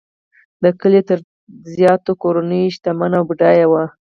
د کلي تر زیاتو کورنیو شتمنه او بډایه وه.